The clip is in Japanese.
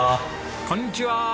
こんにちは！